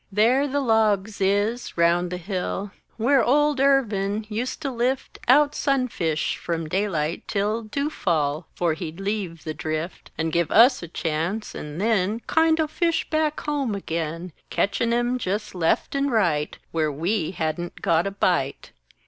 There the logs is, round the hill, Where "Old Irvin" ust to lift Out sunfish from daylight till Dew fall 'fore he'd leave "The Drift" And give us a chance and then Kindo' fish back home again, Ketchin' 'em jes left and right Where we hadn't got "a bite!"